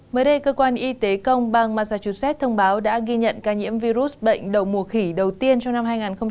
mới đây cơ quan y tế công bang massachusett thông báo đã ghi nhận ca nhiễm virus bệnh đầu mùa khỉ đầu tiên trong năm hai nghìn hai mươi